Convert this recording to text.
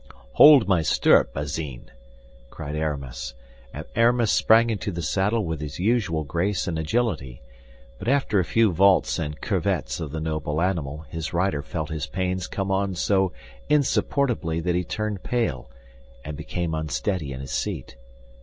"Hold my stirrup, Bazin," cried Aramis; and Aramis sprang into the saddle with his usual grace and agility, but after a few vaults and curvets of the noble animal his rider felt his pains come on so insupportably that he turned pale and became unsteady in his seat.